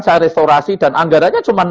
saya restorasi dan anggarannya cuma